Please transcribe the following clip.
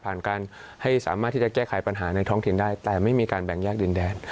การให้สามารถที่จะแก้ไขปัญหาในท้องถิ่นได้แต่ไม่มีการแบ่งแยกดินแดน